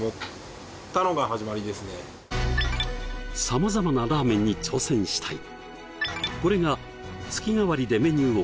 様々なラーメンに挑戦したい！